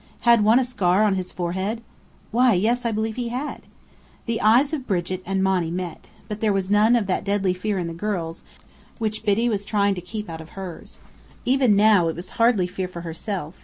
"Had one a scar on his forehead?" "Why, yes, I believe he had!" The eyes of Brigit and Monny met: but there was none of that deadly fear in the girl's, which Biddy was trying to keep out of hers. Even now, it was hardly fear for herself.